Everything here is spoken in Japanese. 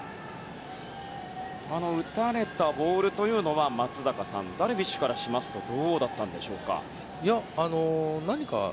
打たれたボールは、松坂さんダルビッシュからするとどうだったんでしょうか。